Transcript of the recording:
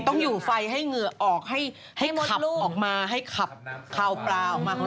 ถ้าไม่อยู่ไปติดเดือนคือต่อไปฝนตกนิดหน่อยก็จะเย็นเมื่อ